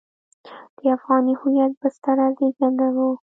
د افغاني هویت بستر زېږنده وو.